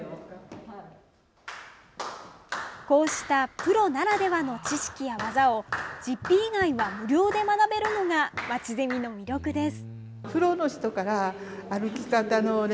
こうしたプロならではの知識や技を実費以外は無料で学べるのがまちゼミの魅力です。